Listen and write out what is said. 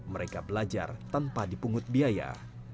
mereka belajar tanpa dipungut biaya